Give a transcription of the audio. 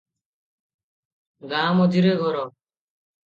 ଗାଁ ମଝିରେ ଘର ।